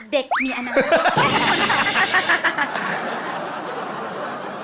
เด็กมีอนาคต